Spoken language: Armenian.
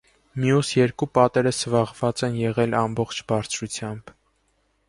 Մյուս երկու պատերը սվաղված են եղել ամբողջ բարձրությամբ։